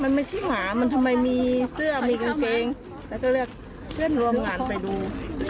มันไม่ใช่หมามันทำไมมีเสื้อมีกางเกงแล้วก็เรียกเพื่อนร่วมงานไปดู